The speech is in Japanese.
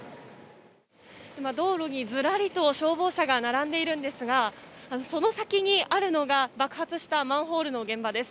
道路にずらりと消防車が並んでいるんですがその先にあるのが爆発したマンホールの現場です。